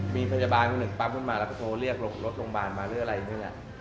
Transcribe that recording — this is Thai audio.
มีพยาบาลก็ตัวเรียกรถโรงพยาบาลมาหรืออะไรพี่เธอ